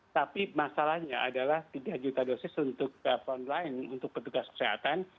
tapi masalahnya adalah tiga juta dosis untuk online untuk petugas kesehatan